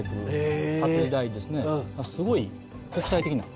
すごい国際的な。